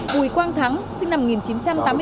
bùi quang thắng sinh năm một nghìn chín trăm tám mươi bốn